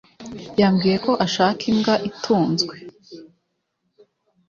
Yambwiye ko ashaka imbwa itunzwe